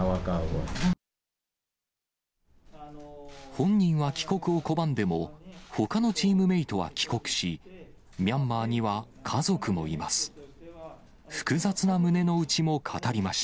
本人は帰国を拒んでも、ほかのチームメートは帰国し、ミャンマーには家族もいます。